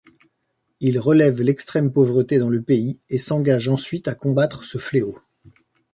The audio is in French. Il relève l’extrême pauvreté dans le pays et s’engage ensuite à combattre ce fléau.